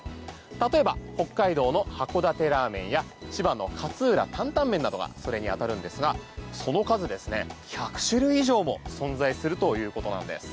例えば北海道の函館ラーメンや千葉の勝浦タンタンメンなどがそれに当たるんですがその数、１００種類以上も存在するということなんです。